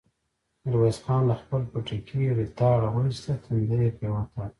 ميرويس خان له خپل پټکي ريتاړه واېسته، تندی يې پرې وتاړه.